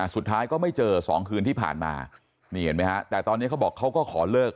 สุดท้ายก็ไม่เจอ๒คืนที่ผ่านมานี่เห็นไหมฮะแต่ตอนนี้เขาบอกเขาก็ขอเลิก